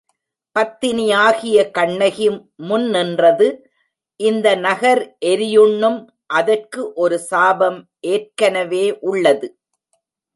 பத்தினியாகிய கண்ணகி முன் நின்றது இந்த நகர் எரியுண்ணும் அதற்கு ஒரு சாபம் எற்கனவே உள்ளது.